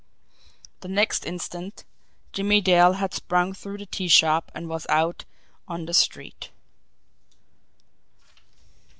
The next instant Jimmie Dale had sprung through the tea shop and was out on the street.